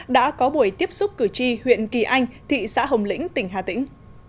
đã có buổi tiếp xúc cử tri huyện kỳ anh thị xã hồng lĩnh tỉnh hà tĩnh